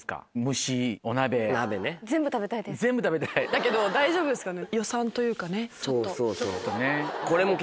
だけど大丈夫ですかね？